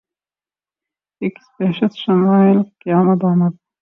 یہ کس بہشت شمائل کی آمد آمد ہے!